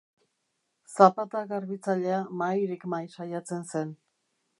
Zapata-garbitzailea mahairik mahai saiatzen zen.